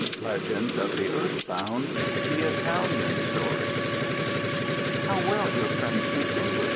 LEGENDS OF THE EARTHBOUND. THE ITALIAN'S STORY. "How well your friend speaks English!"